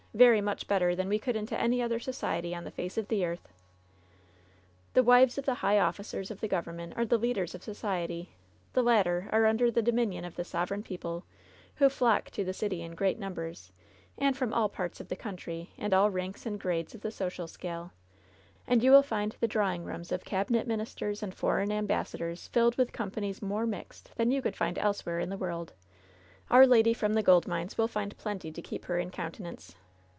Very much better than we could into any other society on the face of the earth. The wives of the high officers of the government are the lead ers of society ; the latter are imder the dominion of the sovereign people, who flock to the city in great numbers, and from all parts of the country, and all ranks and grades of the social scale ; and you will find the drawing rooms of cabinet ministers and foreign ambassadors filled with companies more mixed than you could find elsewhere in the world. Our lady from the gold mines will find plenty to keep her in countenance.